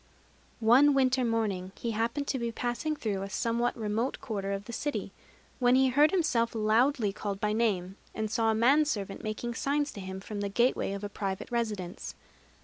One winter morning he happened to be passing through a somewhat remote quarter of the city, when he heard himself loudly called by name, and saw a man servant making signs to him from the gateway of a private residence.